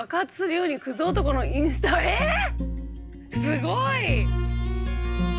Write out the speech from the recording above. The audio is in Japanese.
すごい。